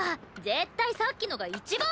絶対さっきのが一番。